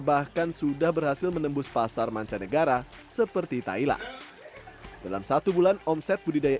bahkan sudah berhasil menembus pasar mancanegara seperti thailand dalam satu bulan omset budidaya